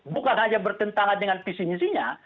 bukan hanya bertentangan dengan visi misinya